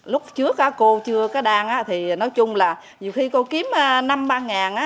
lúc trước cô chưa có đăng thì nói chung là nhiều khi cô kiếm năm ba ngàn